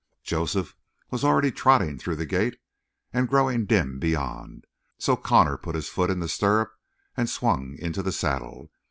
Joseph was already trotting through the gate and growing dim beyond, so Connor put his foot in the stirrup and swung into the saddle.